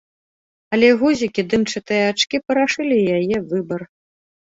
Але гузікі, дымчатыя ачкі парашылі яе выбар.